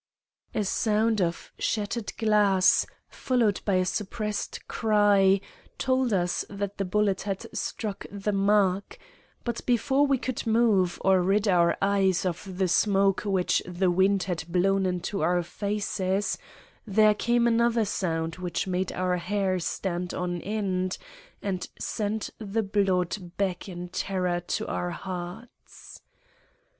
A sound of shattered glass, followed by a suppressed cry, told us that the bullet had struck the mark, but before we could move, or rid our eyes of the smoke which the wind had blown into our faces, there came another sound which made our hair stand on end and sent the blood back in terror to our hearts.